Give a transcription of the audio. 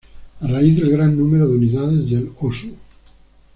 A raíz del gran número de unidades del "Osu!